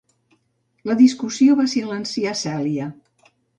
La discussió va silenciar Celia.